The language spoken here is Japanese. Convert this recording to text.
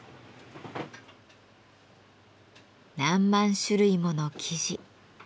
何万種類もの生地。